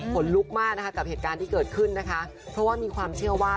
ลุกมากนะคะกับเหตุการณ์ที่เกิดขึ้นนะคะเพราะว่ามีความเชื่อว่า